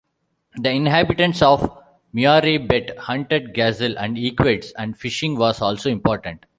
The inhabitants of Mureybet hunted gazelle and equids and fishing was also important.